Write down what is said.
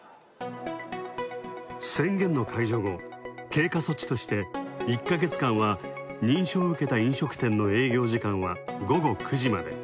宣言の解除後、経過措置として１ヶ月間は認証をうけた飲食店の営業時間は午後９時まで。